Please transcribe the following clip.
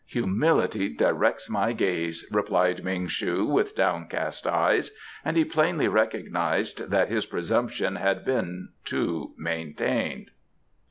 "Humility directs my gaze," replied Ming shu, with downcast eyes, and he plainly recognized that his presumption had been too maintained.